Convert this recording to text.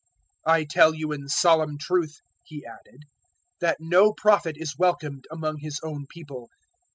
'" 004:024 "I tell you in solemn truth," He added, "that no Prophet is welcomed among his own people.